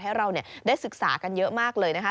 ให้เราได้ศึกษากันเยอะมากเลยนะคะ